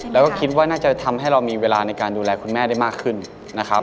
แล้วก็คิดว่าน่าจะทำให้เรามีเวลาในการดูแลคุณแม่ได้มากขึ้นนะครับ